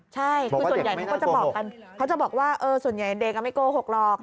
ใช่คือส่วนใหญ่เขาจะบอกว่าส่วนใหญ่เด็กก็ไม่โกหกหรอก